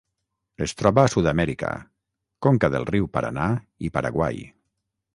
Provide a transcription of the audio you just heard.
Es troba a Sud-amèrica: conca del riu Paranà i Paraguai.